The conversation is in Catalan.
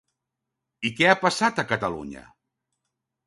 I què ha passat a Catalunya?